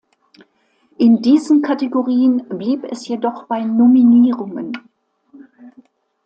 In diesen Kategorien blieb es jedoch bei Nominierungen.